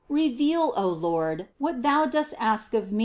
Reveal, O Lord, what Thou dost ask of me